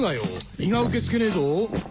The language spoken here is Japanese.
胃が受けつけねえぞ。